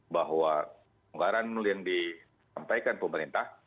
bahwa anggaran yang disampaikan pemerintah